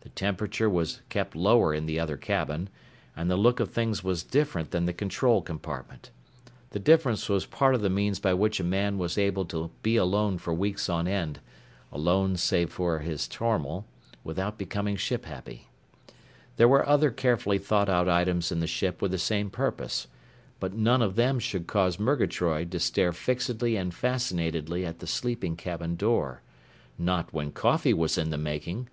The temperature was kept lower in the other cabin, and the look of things was different than the control compartment. The difference was part of the means by which a man was able to be alone for weeks on end alone save for his tormal without becoming ship happy. There were other carefully thought out items in the ship with the same purpose. But none of them should cause Murgatroyd to stare fixedly and fascinatedly at the sleeping cabin door. Not when coffee was in the making!